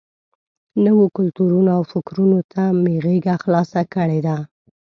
نویو کلتورونو او فکرونو ته مې غېږه خلاصه کړې ده.